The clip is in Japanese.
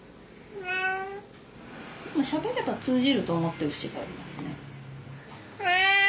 しゃべれば通じると思ってる節がありますね。